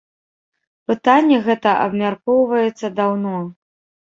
Пытанне гэта абмяркоўваецца даўно.